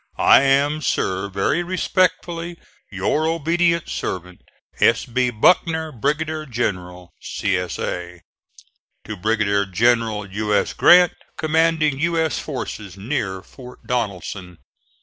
I am, sir, very respectfully, Your ob't se'v't, S. B. BUCKNER, Brig. Gen. C. S. A. To Brigadier General U. S. Grant, Com'ding U. S. Forces, Near Fort Donelson.